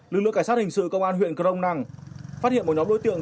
lực lượng cảnh sát hình sự công an huyện crong năng phát hiện một nhóm đối tượng